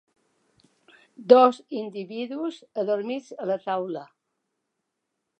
Dos individus adormits a la taula.